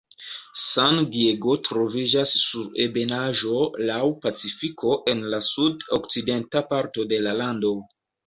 San-Diego troviĝas sur ebenaĵo laŭ Pacifiko en la sud-okcidenta parto de la lando.